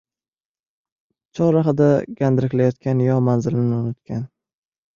Chorrahada gandiraklayotgan yo manzilini unutgan.